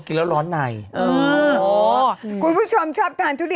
เอิ่อนี่จะไปอยู่แล้ว